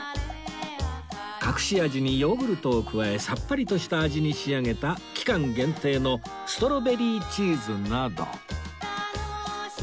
隠し味にヨーグルトを加えさっぱりとした味に仕上げた期間限定のストロベリーチーズなど